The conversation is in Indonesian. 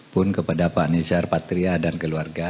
pun kepada pak nizar patria dan keluarga